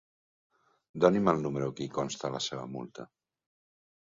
Doni'm el número que hi consta a la seva multa.